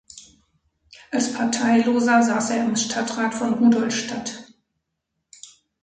Als Parteiloser saß er im Stadtrat von Rudolstadt.